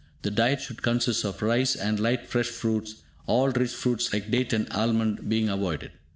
The diet should consist of rice, and light fresh fruits, all rich fruits like date and almond being avoided.